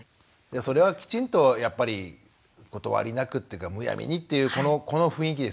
それはきちんとやっぱり断りなくっていうかむやみにっていうこの雰囲気ですよね。